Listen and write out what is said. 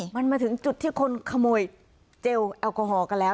มันมาถึงจุดที่คนขโมยเจลแอลกอฮอลกันแล้ว